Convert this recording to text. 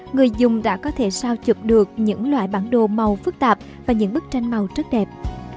người dùng đã có thể sao chụp được những loại bản đồ màu phức tạp và những bức tranh màu rất đẹp